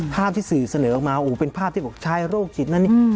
ภาพที่สื่อเสนอออกมาโชคชายโรคชีตนั้นนี่